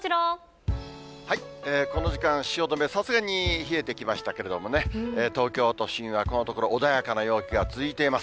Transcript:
この時間、汐留、さすがに冷えてきましたけれどもね、東京都心はこのところ、穏やかな陽気が続いています。